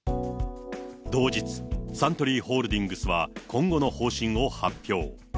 同日、サントリーホールディングスは、今後の方針を発表。